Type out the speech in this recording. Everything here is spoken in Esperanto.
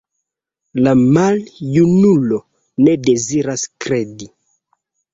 La maljunulo ne deziras kredi.